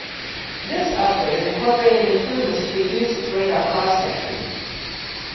This upgrade incorporated improvements to reduce its radar cross-section.